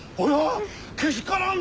けしからんな！